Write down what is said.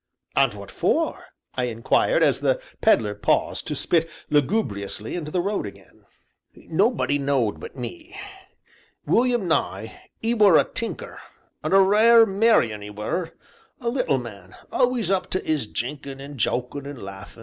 "And what for?" I inquired, as the Pedler paused to spit lugubriously into the road again. "Nobody knowed but me. William Nye 'e were a tinker, and a rare, merry 'un 'e were a little man always up to 'is jinkin' and jokin' and laughin'.